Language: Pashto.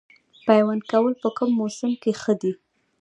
پیوند کول په کوم موسم کې ښه دي؟